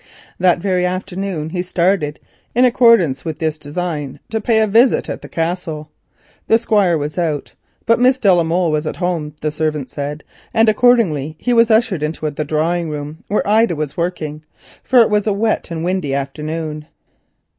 That very afternoon he started in pursuance of this design, to pay a visit to the Castle. The Squire was out, but Miss de la Molle was at home. He was ushered into the drawing room, where Ida was working, for it was a wet and windy afternoon.